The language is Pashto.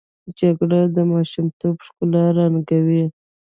جګړه د ماشومتوب ښکلا ړنګوي